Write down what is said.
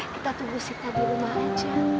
kita tunggu sitnya di rumah aja